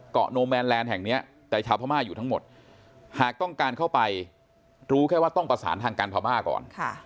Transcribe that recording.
โนแมนแลนด์แห่งนี้แต่ชาวพม่าอยู่ทั้งหมดหากต้องการเข้าไปรู้แค่ว่าต้องประสานทางการพม่าก่อน